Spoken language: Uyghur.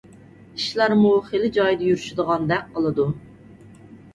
ئىشلارمۇ خېلى جايىدا يۈرۈشىدىغاندەك قىلىدۇ.